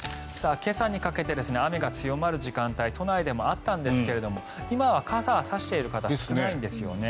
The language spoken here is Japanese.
今朝にかけて雨が強まる時間帯都内でもあったんですけども今は傘を差している方少ないんですね。